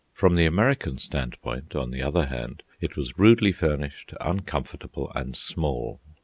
From the American standpoint, on the other hand, it was rudely furnished, uncomfortable, and small.